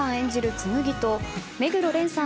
紬と目黒蓮さん